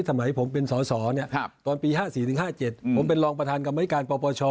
สมัยผมเป็นสเตอนปี๕๔๕๗ผมเป็นรองประธานก็ไหมการอบช